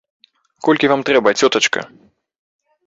Колькі вам трэба, цётачка?